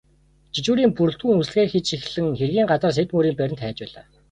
Жижүүрийн бүрэлдэхүүн үзлэгээ хийж эхлэн хэргийн газраас эд мөрийн баримт хайж байлаа.